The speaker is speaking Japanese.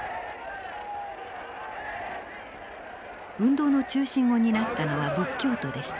運動の中心を担ったのは仏教徒でした。